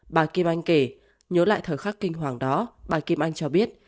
bà kim anh kể nhớ lại thời khắc kinh hoàng đó bà kim anh cho biết